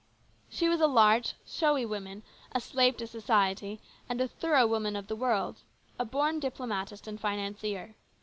She was a large, showy woman, a slave to society, and a thorough woman of the world ; a born diplomatist and financier.